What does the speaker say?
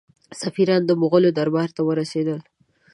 سفیران د مغولو دربار ته ورسېدل.